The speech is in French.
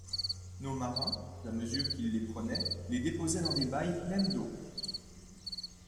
Nos marins, à mesure qu'ils les prenaient, les déposaient dans des bailles pleines d'eau.